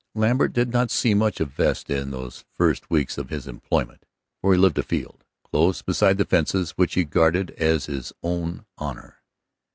Lambert did not see much of Vesta in those first weeks of his employment, for he lived afield, close beside the fences which he guarded as his own honor.